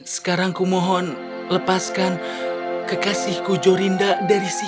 sekarang kumohon lepaskan kekasihku jorinda dari sini